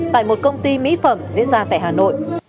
tại một công ty mỹ phẩm diễn ra tại hà nội